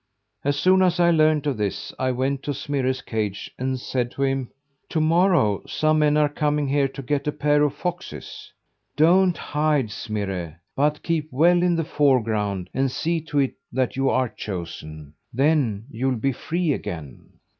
"As soon as I learned of this, I went to Smirre's cage and said to him: "'To morrow some men are coming here to get a pair of foxes. Don't hide, Smirre, but keep well in the foreground and see to it that you are chosen. Then you'll be free again.'